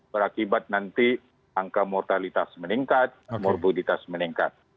berakibat nanti angka mortalitas meningkat morbiditas meningkat